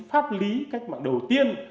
pháp lý cách mạng đầu tiên